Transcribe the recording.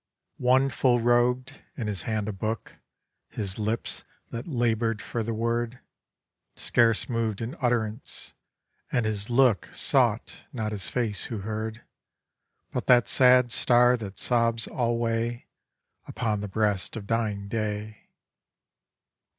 One full robed; in his hand a book; His lips, that labour'd for the word, Scarce moved in utterance; and his look Sought, not his face who heard, But that Sad Star that sobs alway Upon the breast of dying Day.